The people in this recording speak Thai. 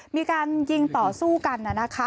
มีการยิงต่อสู้กันนะคะ